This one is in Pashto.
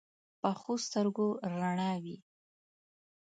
پخو سترګو رڼا وي